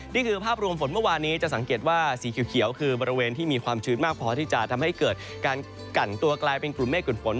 นี่คือภาพรวมฝนเมื่อวานนี้จะสังเกตว่าสีเขียวคือบริเวณที่มีความชื้นมากพอที่จะทำให้เกิดการกันตัวกลายเป็นกลุ่มเมฆกลุ่มฝน